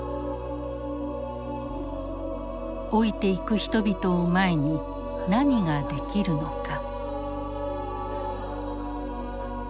老いていく人々を前に何ができるのか。